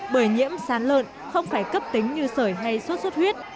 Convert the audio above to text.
bởi nhiễm sán lợn không phải cấp tính như sởi hay suốt suốt huyết